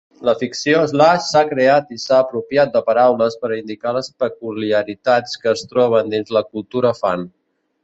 La ficció Slash ha creat i s'ha apropiat de paraules per a indicar les peculiaritats que es troben dins la cultura fan.